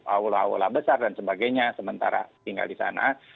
aula aula besar dan sebagainya sementara tinggal di sana